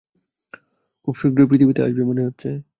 খুব শীঘ্রই পৃথিবীতে আসবে মনে হচ্ছে।